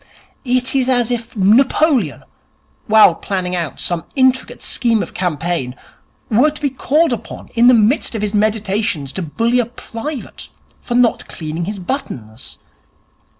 It is as if Napoleon, while planning out some intricate scheme of campaign, were to be called upon in the midst of his meditations to bully a private for not cleaning his buttons.